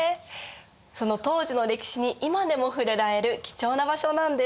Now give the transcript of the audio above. その当時の歴史に今でも触れられる貴重な場所なんです。